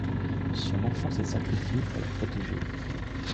Son enfant s'est sacrifié pour la protéger.